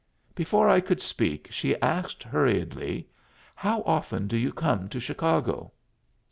Before I could speak, she asked hurriedly, "How often do you come to Chicago?"